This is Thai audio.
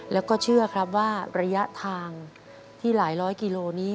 แล้วก็เชื่อครับว่าระยะทางที่หลายร้อยกิโลนี้